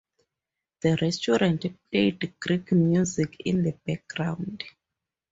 The restaurant played Greek music in the background.